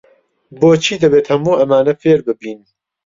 بۆچی دەبێت هەموو ئەمانە فێر ببین؟